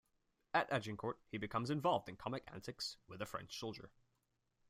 At Agincourt he becomes involved in comic antics with a French soldier.